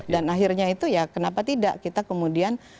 dan akhirnya itu ya kenapa tidak kita kemudian